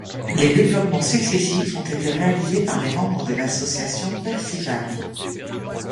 Les développements successifs ont été réalisés par les membres de l'association Persival.